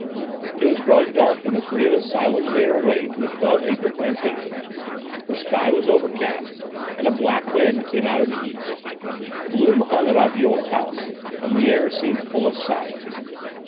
It was growing dark when the three of us silently made our way to the Twelve Acre Plantation; the sky was overcast, and a black wind came out of the east. Gloom hung about the old house and the air seemed full of sighings.